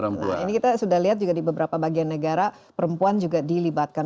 nah ini kita sudah lihat juga di beberapa bagian negara perempuan juga dilibatkan